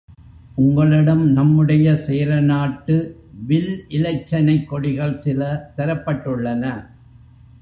உங்களிடம் நம்முடைய சேரநாட்டு வில் இலச்சினைக் கொடிகள் சில தரப்பட்டுள்ளன.